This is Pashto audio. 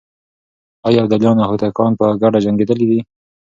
آيا ابداليان او هوتکان په ګډه جنګېدلي دي؟